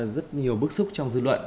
rất nhiều bức xúc trong dư luận